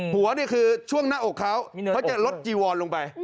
นี่คือช่วงหน้าอกเขาเขาจะลดจีวอนลงไป